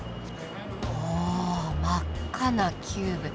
おお真っ赤なキューブ。